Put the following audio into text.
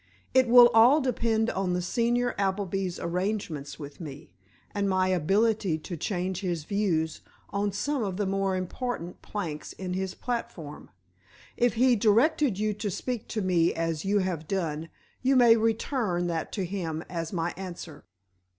It will all depend on the senior Appleby's arrangements with me, and my ability to change his views on some of the more important planks in his platform. If he directed you to speak to me as you have done, you may return that to him as my answer."